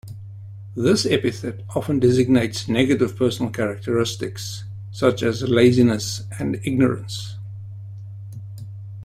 This epithet often designates negative personal characteristics, such as laziness and ignorance.